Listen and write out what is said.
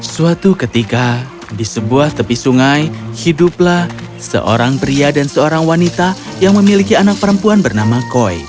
suatu ketika di sebuah tepi sungai hiduplah seorang pria dan seorang wanita yang memiliki anak perempuan bernama koi